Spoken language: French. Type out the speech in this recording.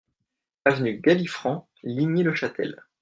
Avenue Galifranc, Ligny-le-Châtel